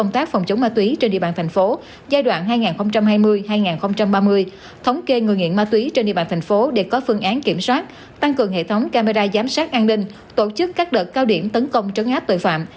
tăng cường hệ thống camera giám sát an ninh tổ chức các đợt cao điểm tấn công trấn áp tội phạm